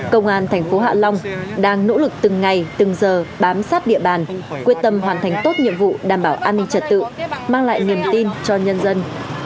công an thành phố hạ long đang nỗ lực từng ngày từng giờ bám sát địa bàn quyết tâm hoàn thành tốt nhiệm vụ đảm bảo an ninh trật tự mang lại niềm tin cho nhân dân